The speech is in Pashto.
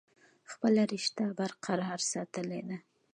خپله رشته برقرار ساتلي ده ۔